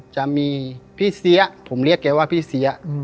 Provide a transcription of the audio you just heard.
จะมีพี่เสียผมเรียกแกว่าพี่เสีย